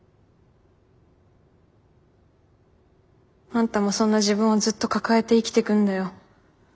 あんたもそんな自分をずっと抱えて生きてくんだよ。